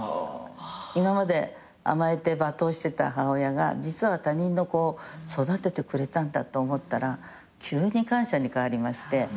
今まで甘えて罵倒してた母親が実は他人の子を育ててくれたんだって思ったら急に感謝に変わりまして。